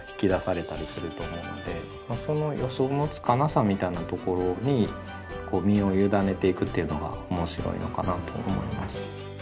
その予想のつかなさみたいなところに身を委ねていくっていうのが面白いのかなと思います。